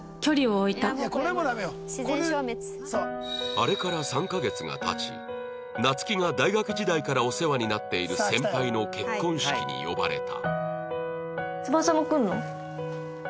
あれから３カ月が経ち夏希が大学時代からお世話になっている先輩の結婚式に呼ばれた